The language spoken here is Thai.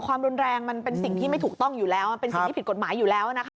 ความรุนแรงมันเป็นสิ่งที่ไม่ถูกต้องอยู่แล้วมันเป็นสิ่งที่ผิดกฎหมายอยู่แล้วนะคะ